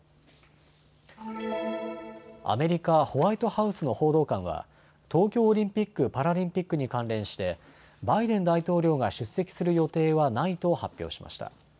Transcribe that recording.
アメリカホワイトハウスの報道官は東京オリンピック・パラリンピックに関連してバイデン大統領が出席する予定はないと発表しました。